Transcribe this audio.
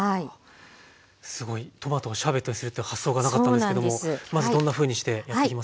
すごいトマトをシャーベットにするという発想がなかったんですけどもまずどんなふうにしてやっていきますか？